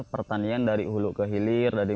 pertanian dari hulu ke hilir dari